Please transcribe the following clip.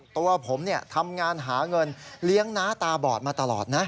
ตัวผมทำงานหาเงินเลี้ยงน้าตาบอดมาตลอดนะ